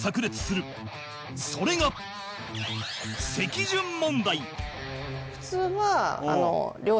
それが席順問題